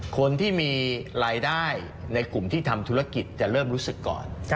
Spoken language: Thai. คนที่มีรายได้ในกลุ่มที่ทำธุรกิจจะเริ่มรู้สึกก่อน